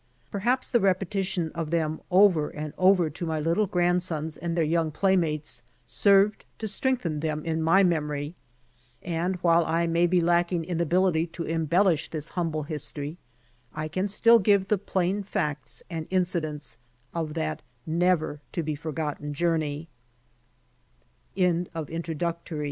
Perhaps the repetition of them over and over to my little grandsons and their young playmates served to strengthen them in my memory, and, while I may be lacking in ability to embellish this humble history I can still give the plain facts and incidents of that never